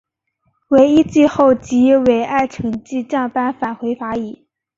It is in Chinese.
惟一季后即以尾二成绩降班返回法乙。